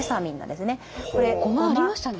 ゴマありましたね。